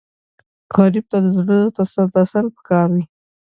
غریب ته د زړه تسل پکار وي